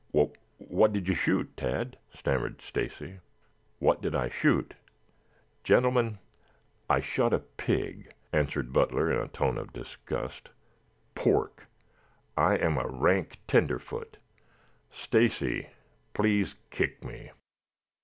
"Wha what did you shoot, Tad?" stammered Stacy. "What did I shoot? Gentlemen, I shot a pig," answered Butler in a tone of disgust. "Pork! I am a rank tenderfoot. Stacy, please kick me."